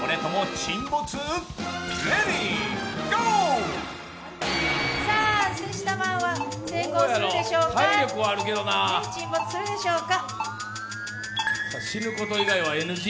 沈没するでしょうか。